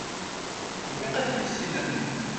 Ilaq ad t-tissinem.